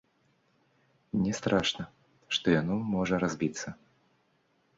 Не страшна, што яно можа разбіцца.